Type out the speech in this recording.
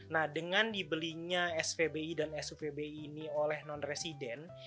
nah dengan dibelinya spbi dan supbi ini oleh non resident